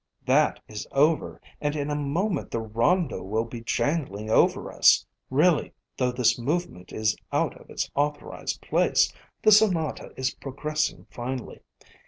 "That is over, and in a moment the Rondo will be jangling over us. Really, though this movement is out of its authorized place, the Sonata is progressing finely.